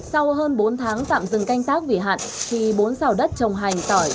sau hơn bốn tháng tạm dừng canh tác vì hạn khi bốn sao đất trồng hành tỏi